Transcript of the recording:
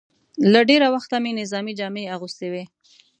له ډېره وخته مې نظامي جامې اغوستې وې.